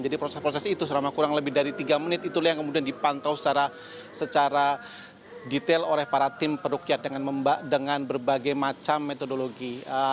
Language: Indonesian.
jadi proses proses itu selama kurang lebih dari tiga menit itu yang kemudian dipantau secara secara detail oleh para tim perukyat dengan berbagai macam metodologi